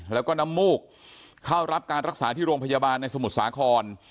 แล้วก็น้ำมูกเข้ารับการรักษาที่โรงพยาบาลในสมุทรสาคร